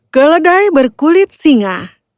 keledai berkulit singa